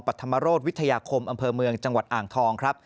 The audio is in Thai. ปัธมาโรศวิทยาคมอำเภอเมืองจังหวัดอ่างทอง